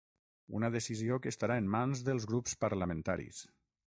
Una decisió que estarà en mans dels grups parlamentaris.